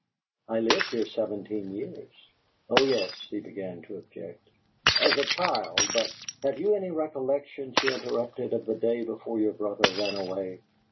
I lived here seventeen years." "Oh yes," he began to object, "as a child, but " "Have you any recollection," she interrupted, "of the day before your brother ran away?